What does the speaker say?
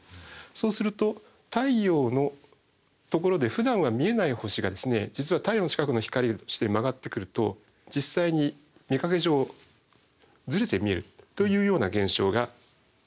そうすると太陽のところでふだんは見えない星が実は太陽の近くの光として曲がってくると実際に見かけ上ずれて見えるというような現象が予言されました。